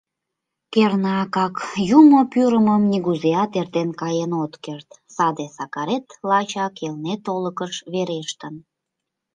Кернакак, юмо пӱрымым нигузеат эртен каен от керт, саде Сакарет лачак Элнет олыкыш верештын».